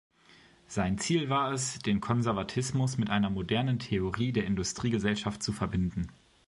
Sein Ziel war es, den Konservatismus mit einer „modernen“ Theorie der Industriegesellschaft zu verbinden.